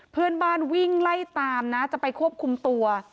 เพื่อนบ้านวิ่งไล่ตามนะจะไปควบคุมตัว